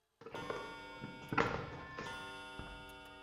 名誉资深大律师是否大律师？